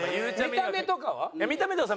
見た目とかは？